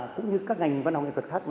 cũng như các ngành văn hóa nghệ thuật khác